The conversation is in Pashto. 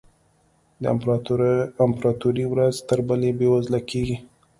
د امپراتوري ورځ تر بلې بېوزله کېږي.